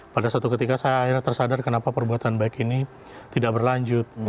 pada satu ketika saya akhirnya tersadar kenapa perbuatan baik ini tidak berlanjut